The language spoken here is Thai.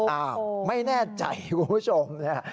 อ้าวไม่แน่ใจคุณผู้ชมเนี่ย